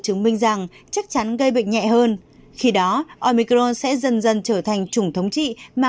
chứng minh rằng chắc chắn gây bệnh nhẹ hơn khi đó omicron sẽ dần dần trở thành chủng thống trị mà